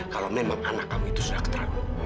kalau memang anak kamu itu sudah keterlaluan